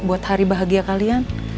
buat hari bahagia kalian